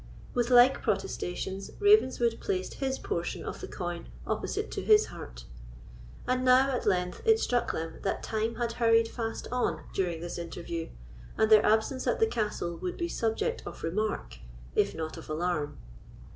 With like protestations, Ravenswood placed his portion of the coin opposite to his heart. And now, at length, it struck them that time had hurried fast on during this interview, and their absence at the castle would be subject of remark, if not of alarm.